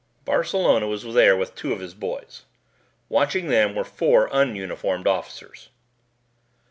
'"Barcelona was there with two of his boys. Watching them were four ununiformed officers.